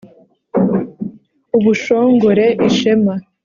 ubushongore: ishema